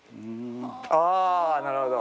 ああなるほど。